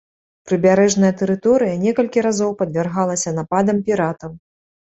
Прыбярэжная тэрыторыя некалькі разоў падвяргалася нападам піратаў.